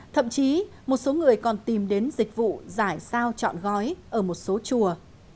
thậm chí một số người còn tìm đến dịch vụ giải sao chọn gói ở một số chùa